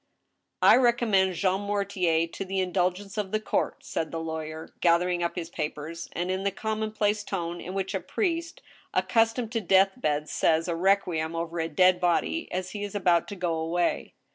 " I recommend Jean Mortier to the indulgence of the court," said the lawyer, gathering up his papers, and in the commonplace tone in which a priest, accustomed to death beds, says a reqiiiem over a dead body as he is about to go away.